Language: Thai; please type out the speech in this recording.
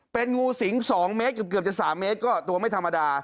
เป็นงูสิง๒เมตรเกือบจะ๓เมตรก็ตัวไม่ธรรมดา